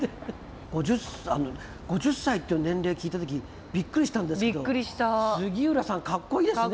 ５０歳っていう年齢聞いた時びっくりしたんですけど杉浦さんカッコいいですね。